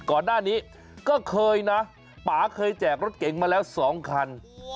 ก่อนหน้านี้ก็เคยนะป่าเคยแจกรถเก๋งมาแล้ว๒คัน